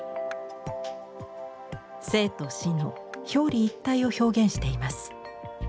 生と死の表裏一体を表現しています。